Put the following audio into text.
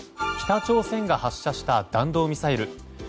北朝鮮が発射した弾道ミサイル。